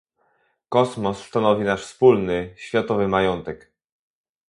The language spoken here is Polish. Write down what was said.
Kosmos stanowi nasz wspólny, światowy majątek